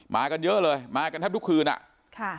กันเยอะเลยมากันแทบทุกคืนอ่ะค่ะ